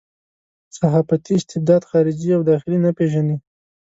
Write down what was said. صحافتي استبداد خارجي او داخلي نه پېژني.